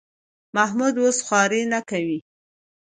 محمود اوس خواري نه کوي.